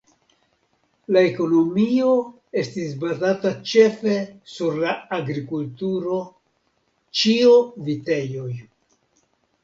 La ekonomio estis bazata ĉefe sur la agrikulturo (ĉio vitejoj).